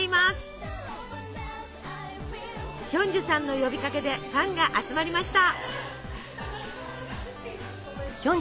ヒョンジュさんの呼びかけでファンが集まりました。